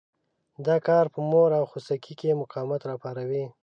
دا کار په مور او خوسکي کې مقاومت را پاروي.